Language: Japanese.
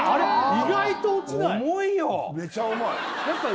意外と落ちない重いよ